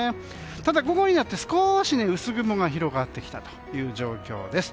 ただ、午後になって少し薄雲が広がってきた状況です。